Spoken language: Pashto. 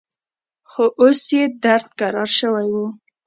خو اوس يې درد کرار سوى و.